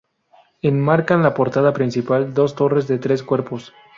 Enmarcan la portada principal, dos torres de tres cuerpos.